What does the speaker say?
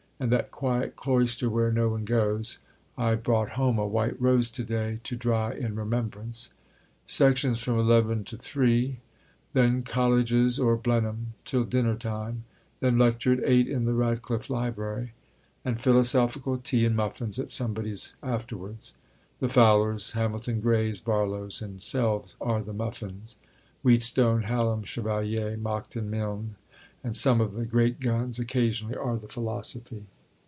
and that quiet cloister where no one goes. I brought home a white rose to day to dry in remembrance. Sections from 11 to 3. Then Colleges or Blenheim till dinner time. Then lecture at 8 in the Radcliffe Library. And philosophical tea and muffins at somebody's afterwards. The Fowlers, Hamilton Grays, Barlows and selves are the muffins; Wheatstone, Hallam, Chevalier, Monckton Milnes and some of the great guns occasionally are the philosophy....